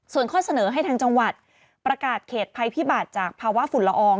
ส่วนข้อเสนอให้ทางจังหวัดประกาศเขตภัยพิบัติจากภาวะฝุ่นละออง